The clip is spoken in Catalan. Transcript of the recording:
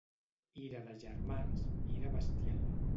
Ira de germans, ira bestial.